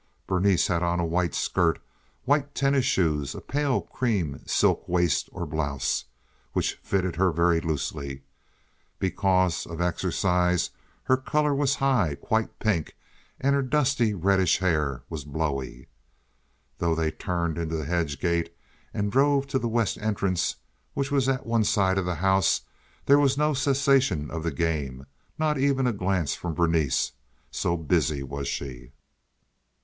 Berenice had on a white skirt, white tennis shoes, a pale cream silk waist or blouse, which fitted her very loosely. Because of exercise her color was high—quite pink—and her dusty, reddish hair was blowy. Though they turned into the hedge gate and drove to the west entrance, which was at one side of the house, there was no cessation of the game, not even a glance from Berenice, so busy was she.